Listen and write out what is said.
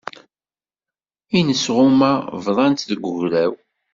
Inesɣuma bḍantt deg ugraw.